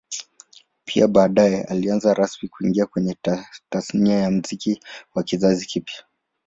Pia baadae alianza rasmi kuingia kwenye Tasnia ya Muziki wa kizazi kipya